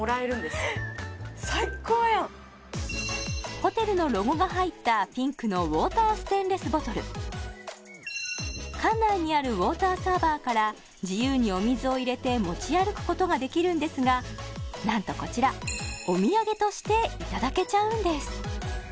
ホテルのロゴが入ったピンクの館内にあるウォーターサーバーから自由にお水を入れて持ち歩くことができるんですがなんとこちらお土産としていただけちゃうんです